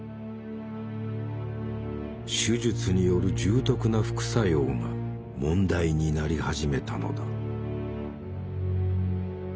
手術による重篤な副作用が問題になり始めたのだ。